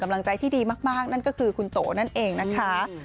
กำลังใจที่ดีมากนั่นก็คือคุณโตนั่นเองนะคะ